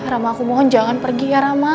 rama aku mohon jangan pergi ya rama